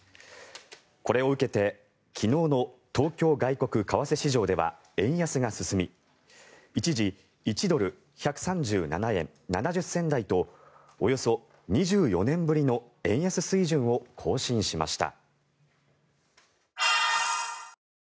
これを受けて昨日の東京外国為替市場では円安が進み、一時１ドル＝１３７円７０銭台とおよそ２４年ぶりの円安水準を更新しました。